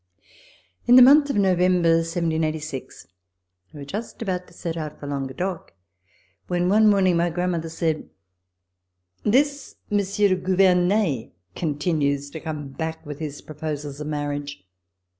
In the month of November, 1789, we were just about to set out for Languedoc when one morning my grandmother said : "This Monsieur de Gouvernet continues to come back with his proposals of marriage.